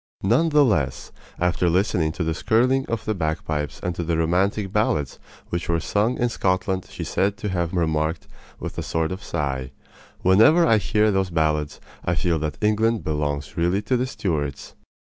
None the less, after listening to the skirling of the bagpipes and to the romantic ballads which were sung in Scotland she is said to have remarked with a sort of sigh: "Whenever I hear those ballads I feel that England belongs really to the Stuarts!"